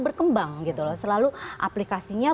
berkembang selalu aplikasinya